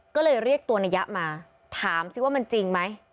ก็เลยเรียกตัวนายยะมาถามสิว่ามันจริงไหม